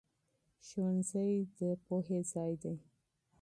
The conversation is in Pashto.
ښوونځی د مینې ځای دی.